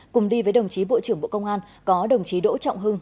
cùng đi với đồng chí bộ trưởng bộ công an có đồng chí đỗ trọng hưng